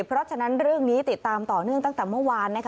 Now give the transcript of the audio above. เพราะฉะนั้นเรื่องนี้ติดตามต่อเนื่องตั้งแต่เมื่อวานนะคะ